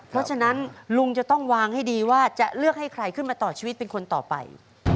เพราะฉะนั้นลุงจะต้องวางให้ดีว่าจะเลือกให้ใครขึ้นมาต่อชีวิตเป็นคนต่อไป